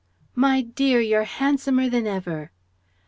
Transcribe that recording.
"My dear! You're handsomer than ever!"